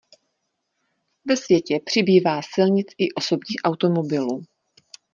Ve světě přibývá silnic i osobních automobilů.